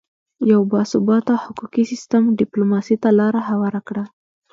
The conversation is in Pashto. یو باثباته حقوقي سیستم ډیپلوماسي ته لاره هواره کړه